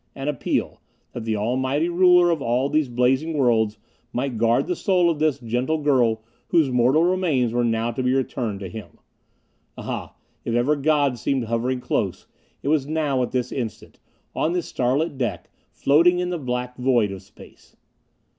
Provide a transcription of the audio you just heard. An appeal: That the Almighty Ruler of all these blazing worlds might guard the soul of this gentle girl whose mortal remains were now to be returned to Him. Ah, if ever God seemed hovering close, it was now at this instant, on this starlit deck floating in the black void of space.